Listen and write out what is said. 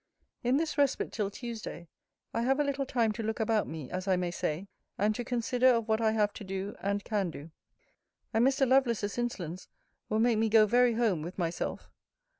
In this respite till Tuesday, I have a little time to look about me, as I may say, and to consider of what I have to do, and can do. And Mr. Lovelace's insolence will make me go very home with myself.